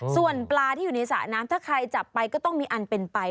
ส่วนปลาที่อยู่ในสระน้ำถ้าใครจับไปก็ต้องมีอันเป็นไป